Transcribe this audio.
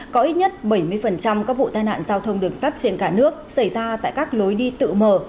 có ít nhất bảy mươi các vụ tai nạn giao thông đường sắt trên cả nước xảy ra tại các lối đi tự mở